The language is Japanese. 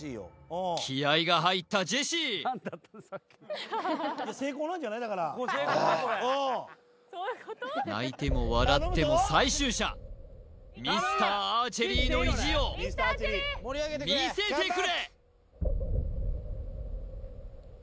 気合が入ったジェシー泣いても笑っても最終射ミスターアーチェリーの意地を見せてくれ！